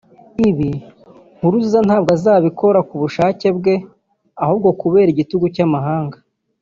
Ibi Nkurunziza ntabwo azabikora ku bushake bwe ahubwo kubera igitutu cy’amahanga